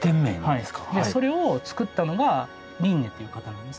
それを作ったのがリンネという方なんですね。